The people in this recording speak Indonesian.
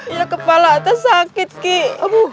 iyak kepala aku sakit kik